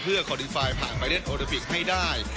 เพื่อควอลิฟาลผ่านไปเล่นโอโลฟิกไม่ได้